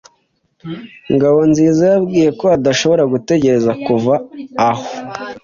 Ngabonziza yambwiye ko adashobora gutegereza kuva aho.